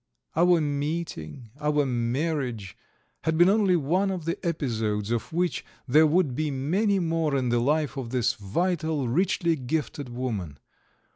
Our meeting, our marriage, had been only one of the episodes of which there would be many more in the life of this vital, richly gifted woman.